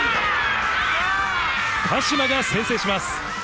鹿島が先制します。